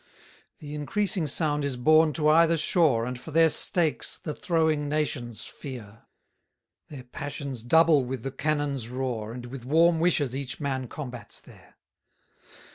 124 The increasing sound is borne to either shore, And for their stakes the throwing nations fear: Their passions double with the cannons' roar, And with warm wishes each man combats there.